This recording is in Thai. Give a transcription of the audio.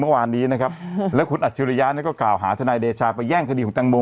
เมื่อวานนี้นะครับแล้วคุณอัจฉริยะเนี่ยก็กล่าวหาทนายเดชาไปแย่งคดีของแตงโม